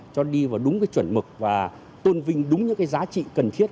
cho đi vào đúng cái chuẩn mực và tôn vinh đúng những cái giá trị cần thiết